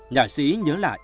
nhạc sĩ nhớ lại